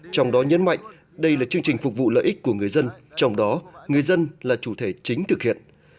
trong đó nhấn mạnh đây là chương trình phục vụ lợi ích của người dân trong đó người dân là chủ thể chính thực hiện